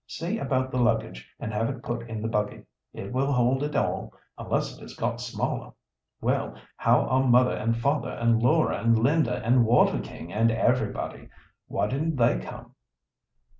See about the luggage, and have it put in the buggy; it will hold it all, unless it has got smaller. Well, how are mother and father and Laura, and Linda, and Waterking, and everybody? Why didn't they come?"